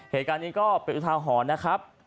เหตุการณ์นี้ก็เป็นอุทาหรณ์นะครับ